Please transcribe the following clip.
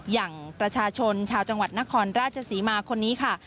อย่างประชาชนชาวจังหวัดนครราชศรีมาคนนี้ค่ะ